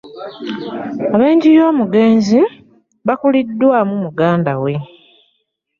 Ab'enju y'omugenzi bakuliddwamu muganda we